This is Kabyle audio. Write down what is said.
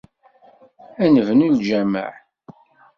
Ad nebnu lǧameε.